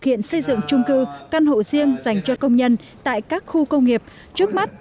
hiện xây dựng trung cư căn hộ riêng dành cho công nhân tại các khu công nghiệp trước mắt